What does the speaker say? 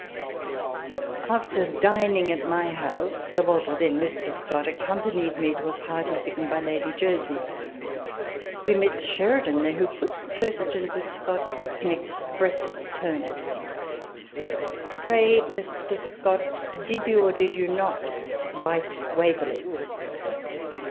After dining at my house, Sir Walter (then Mr.) Scott accompanied me to a party given by Lady Jersey. We met Sheridan there, who put the ques tion to Scott in express terms," Pray Mr. Scott, did you, or did you not, write ' Waverley